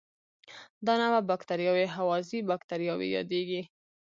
دا نوعه بکټریاوې هوازی باکتریاوې یادیږي.